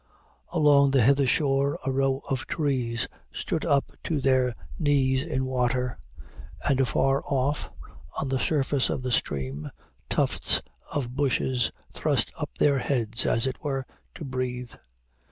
Along the hither shore a row of trees stood up to their knees in water, and afar off, on the surface of the stream, tufts of bushes thrust up their heads, as it were, to breathe.